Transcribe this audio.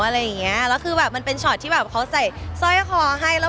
และคือมันเป็นถ่ายอสรอยของเรา